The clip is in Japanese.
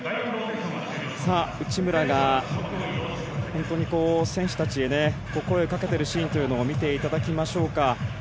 内村が、本当に選手たちへ声をかけているシーンも見ていただきましょう。